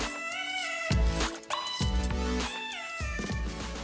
dan dunia swastika